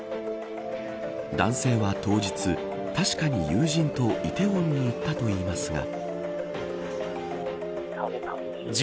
男性は当日、確かに友人と梨泰院に行ったと言いますが。